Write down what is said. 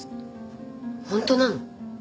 本当なの？